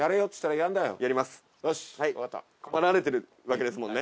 困られてるわけですもんね。